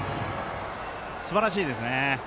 すばらしいですね。